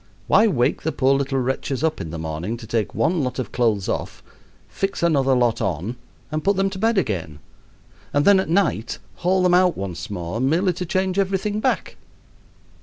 Why wake the poor little wretches up in the morning to take one lot of clothes off, fix another lot on, and put them to bed again, and then at night haul them out once more, merely to change everything back?